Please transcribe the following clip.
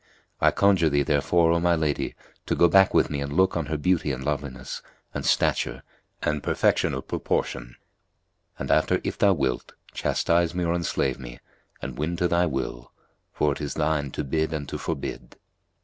I conjure thee, therefore, O my lady, to go back with me and look on her beauty and loveliness and stature and perfection of proportion; and after, if thou wilt, chastise me or enslave me; and win to thy will, for it is shine to bid and to forbid."